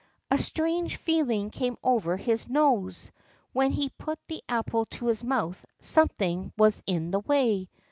A strange feeling came over his nose; when he put the apple to his mouth something was in the way.